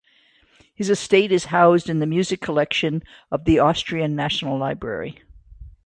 His estate is housed in the music collection of the Austrian National Library.